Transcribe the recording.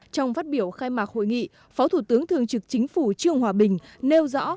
trong phát biểu khai mạc hội nghị phó thủ tướng thường trực chính phủ trương hòa bình nêu rõ